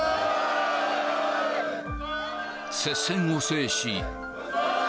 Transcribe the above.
接戦を制し。